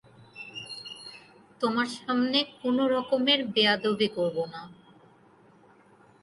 তোমার সামনে কোনোরকমের বেয়াদবি করব না!